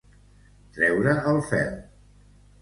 Treure el fel.